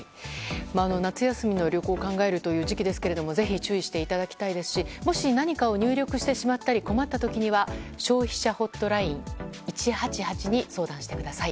夏休みの旅行を考える時期ですがぜひ注意していただきたいですしもし何かを入力してしまったり困った時には消費者ホットライン１８８に相談してください。